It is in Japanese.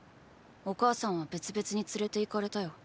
お母さんは別々に連れて行かれたよ。